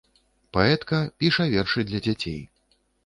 Паэтка, піша вершы для дзяцей.